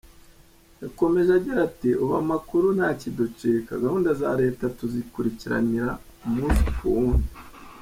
Yakomeje agira ati "Ubu amakuru ntakiducika, gahunda za Leta tuzikurikirana umunsi ku wundi.